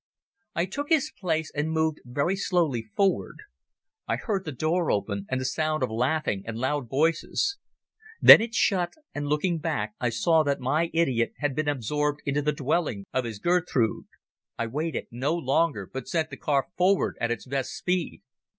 I took his place and moved very slowly forward. I heard the door open and the sound of laughing and loud voices. Then it shut, and looking back I saw that my idiot had been absorbed into the dwelling of his Gertrud. I waited no longer, but sent the car forward at its best speed.